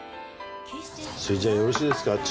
それじゃあよろしいですか？